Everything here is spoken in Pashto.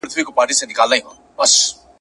دلته دي د غرو لمني زموږ کېږدۍ دي پکښي پلني !.